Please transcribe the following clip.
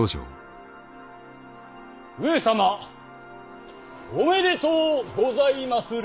上様おめでとうございまする。